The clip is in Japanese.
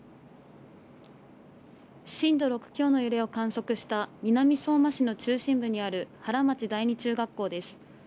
震度６強の揺れを観測した、南相馬市の中心部にある原町第二中学校です。